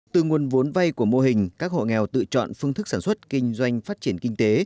từ nguồn vốn vay của mô hình các hộ nghèo tự chọn phương thức sản xuất kinh doanh phát triển kinh tế